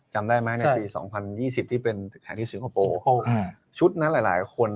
จำได้ไหมในปี๒๐๒๐ที่เป็นแข่งที่สิงคโปร์ชุดนั้นหลายคน